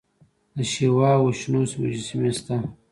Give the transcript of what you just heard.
د شیوا او وشنو مجسمې شته